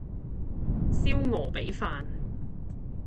燒鵝髀飯